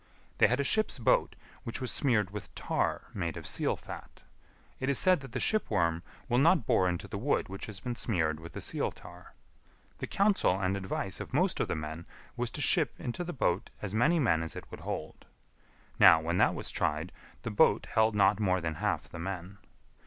They had a ship's boat which was smeared with tar made of seal fat. It is said that the ship worm will not bore into the wood which has been smeared with the seal tar. The counsel and advice of most of the men was to ship into the boat as many men as it would hold. Now, when that was tried, the boat held not more than half the men.